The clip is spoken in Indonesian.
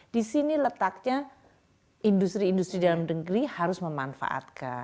di sini letaknya industri industri dalam negeri harus memanfaatkan